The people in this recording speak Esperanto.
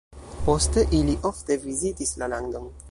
Poste ili ofte vizitis la landon.